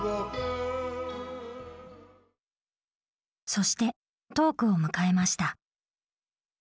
そしてトークを迎えました。